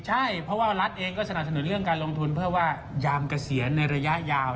ใช่เพราะว่ารัฐเองก็สนับสนุนเรื่องการลงทุนเพื่อว่ายามเกษียณในระยะยาว